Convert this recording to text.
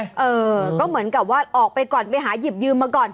เออก็เหมือนกับว่าออกไปก่อนไปหาหยิบยืมมาก่อน